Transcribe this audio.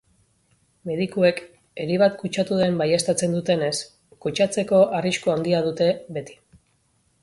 Medikuek eri bat kutsatu den baieztatzen dutenez, kutsatzeko arrisku handia dute beti.